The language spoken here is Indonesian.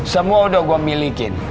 semua udah gua milikin